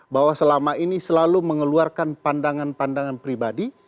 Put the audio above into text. bahwa selama ini selalu mengeluarkan pandangan pandangan pribadi